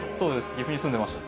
岐阜に住んでました。